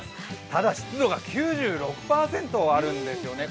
ただ、湿度が９６％あるんですよね。